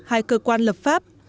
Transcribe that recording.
hai cơ quan lập pháp